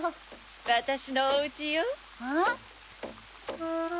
・わたしのおうちよ・ん？